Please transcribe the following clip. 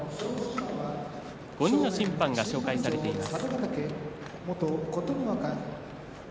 ５人の審判が紹介されています。